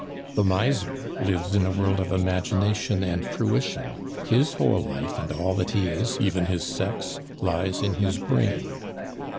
The miser lives in a world of imagination and fruition; his whole life and all that he is, even his sex, lies in his brain.